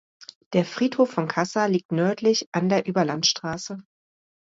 Der Friedhof von Cassa liegt nördlich an der Überlandstraße.